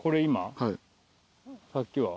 さっきは？